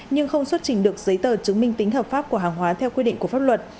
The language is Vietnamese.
nhưng không xuất trình được giấy tờ chứng minh tính hợp pháp của hàng hóa theo quy định của pháp luật